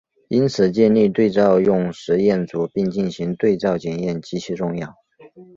因此建立对照用实验组并进行对照检验极其重要。